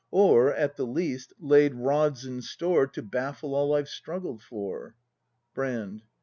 Or, at the least, laid rods in store To baffle all I've struggled for. Brand.